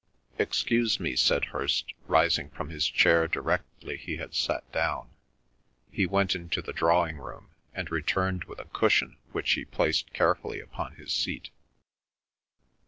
"Excuse me," said Hirst, rising from his chair directly he had sat down. He went into the drawing room, and returned with a cushion which he placed carefully upon his seat.